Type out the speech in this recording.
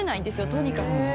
とにかく。